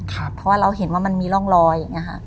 เพราะว่าเราเห็นว่ามันมีร่องรอย